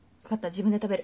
自分で食べる。